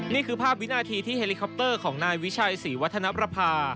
นี่คือภาพวินาทีที่เฮลิคอปเตอร์ของนายวิชัยศรีวัฒนประภา